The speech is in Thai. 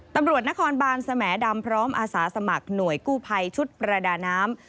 ตำรวจนครบานสแหมดำพร้อมอาสาสมัครหน่วยกู้ภัยชุดประดาน้ำ